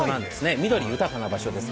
緑豊かな場所です。